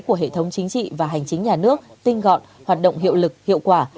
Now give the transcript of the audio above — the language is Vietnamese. của hệ thống chính trị và hành chính nhà nước tinh gọn hoạt động hiệu lực hiệu quả